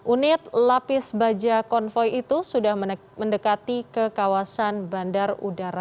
unit lapis baja konvoy itu sudah mendekati ke kawasan bandar udara